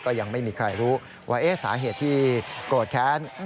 ยังไม่มีใครรู้ว่าสาเหตุที่โกรธแค้น